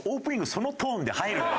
そのトーンで入るなよ。